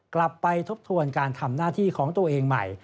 กลับไปทบทวนการทำหน้าที่ของตัวเองใหม่